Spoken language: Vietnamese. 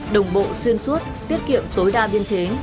đồng bộ xuyên suốt tiết kiệm tối đa biên chế